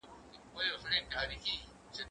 زه سبا لپاره پلان جوړ کړی دی!.